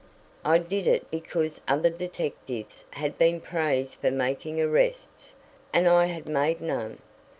I did it because other detectives had been praised for making arrests, and I had made none.